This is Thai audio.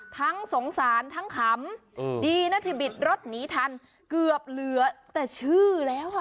สงสารทั้งขำดีนะที่บิดรถหนีทันเกือบเหลือแต่ชื่อแล้วค่ะ